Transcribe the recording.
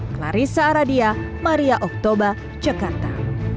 clarissa aradia maria oktober jakarta